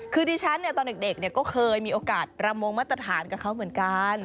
คือดิฉันตอนเด็กก็เคยมีโอกาสประมงมาตรฐานกับเขาเหมือนกัน